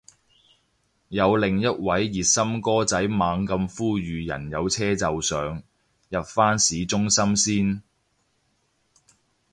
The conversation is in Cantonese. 有另一位熱心哥仔猛咁呼籲人有車就上，入返市中心先